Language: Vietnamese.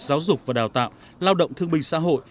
giáo dục và đào tạo lao động thương binh xã hội